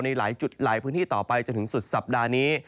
ในหลายจุดหลายพื้นที่ต่อไปจนถึงสุดสัปดาห์นี้